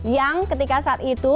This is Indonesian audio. yang ketika saat itu